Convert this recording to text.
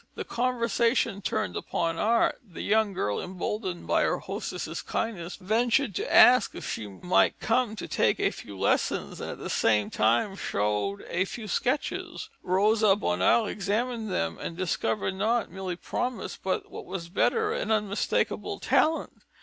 The conversation turned upon art. The young girl emboldened, by her hostess's kindness, ventured to ask if she might come to take a few lessons, and at the same time showed a few sketches. Rosa Bonheur examined them and discovered not merely promise, but what was better, an unmistakable talent.